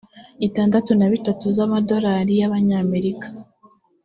itandatu na bitatu z amadolari y abanyamerika